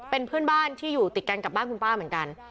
เป็นเพื่อนบ้านที่อยู่ติดกันกับบ้านคุณป้าเหมือนกัน